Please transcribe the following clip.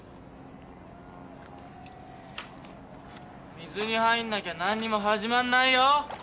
水に入んなきゃ何にも始まんないよ。